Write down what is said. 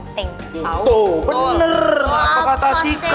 tuh bener apa kata tika